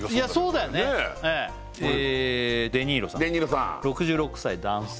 そうだよねデニーロさん６６歳男性